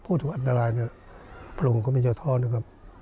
พูดถึงอันตรายนะครับพระองค์ก็ไม่เยอะท้อนนะครับ